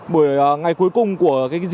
buổi ngày cuối cùng của dịp nghỉ lễ